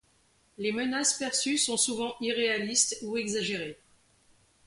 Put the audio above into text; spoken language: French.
Les menaces perçues sont souvent irréalistes ou exagérées.